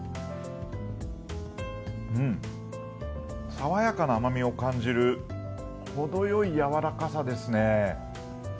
爽やかな甘みを感じる程よい軟らかさですね。